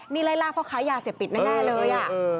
นี่ไล่ล่าเพราะขายยาเสียบปิดแน่เลยอ่ะ